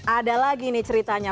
ada lagi nih ceritanya